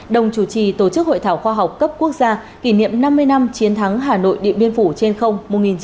đồng chủ trì tổ chức hội thảo khoa học cấp quốc gia kỷ niệm năm mươi năm chiến thắng hà nội điện biên phủ trên không một nghìn chín trăm bảy mươi